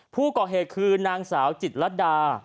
ผู้ก่อเหตุคือนางสาวจิตรดา